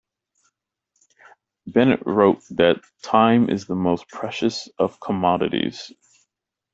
Bennett wrote that time is the most precious of commodities.